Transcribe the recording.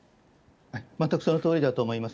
まったくそのとおりだと思います。